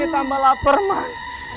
anak tambah lapar man